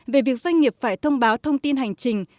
về việc doanh nghiệp phải thông báo thông tin hành trình